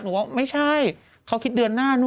บอกว่าไม่ใช่เขาคิดเดือนหน้านู้น